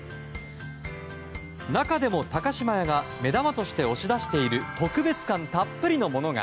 中でも高島屋が目玉として押し出している特別感たっぷりのものが。